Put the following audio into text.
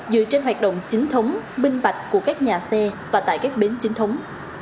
dựa trên hoạt động chính thống binh bạch của các nhà xe và tại các bến chính thống